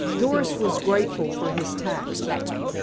Doris was grateful for his tact.